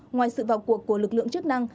ngoài sự vào cuộc của lực lượng